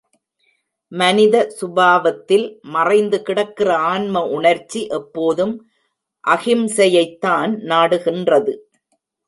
மனித சுபாவத்தில் மறைந்து கிடக்கிற ஆன்ம உணர்ச்சி எப்போதும் அகிம்சையைத்தான் நாடுகின்றது.